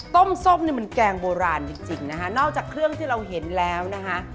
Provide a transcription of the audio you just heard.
ส้มนี่มันแกงโบราณจริงจริงนะคะนอกจากเครื่องที่เราเห็นแล้วนะคะ